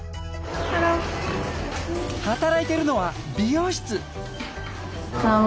働いてるのは美容室。